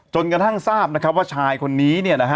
จนกระทั่งทราบว่าชายคนนี้